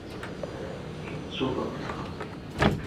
Имцуп агәҭыха.